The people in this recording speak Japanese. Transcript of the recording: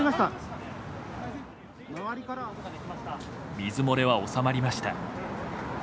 水漏れは収まりました。